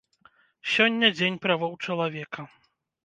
Сёння дзень правоў чалавека.